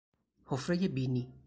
حفرهی بینی